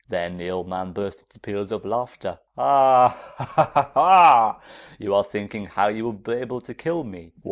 Then the old man burst into peals of laughter. 'Ah, ah, ah! You are thinking how you would be able to kill me?